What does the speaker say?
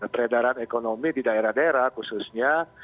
peredaran ekonomi di daerah daerah khususnya